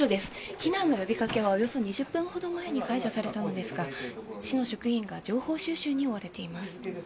避難の呼びかけはおよそ２０分前に解除されたんですが市の職員が情報収集に追われています。